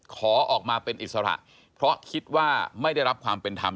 ขอออกมาเป็นอิสระเพราะคิดว่าไม่ได้รับความเป็นธรรม